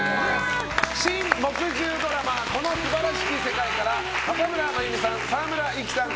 新木１０ドラマ「この素晴らしき世界」から若村麻由美さん、沢村一樹さん